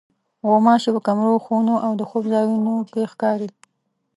غوماشې په کمرو، خونو او د خوب ځایونو کې ښکاري.